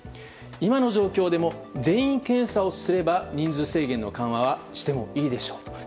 今の状況でも全員検査をすれば人数制限の緩和はしてもいいでしょうと。